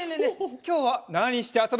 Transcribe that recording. きょうはなにしてあそぶ？